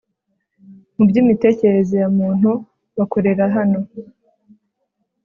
mu byimitekerereze ya muntu bakorera hano